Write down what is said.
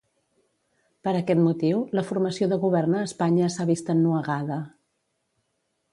Per aquest motiu, la formació de govern a Espanya s'ha vist ennuegada.